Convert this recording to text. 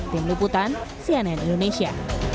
tim liputan cnn indonesia